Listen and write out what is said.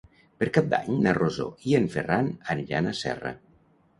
Per Cap d'Any na Rosó i en Ferran aniran a Serra.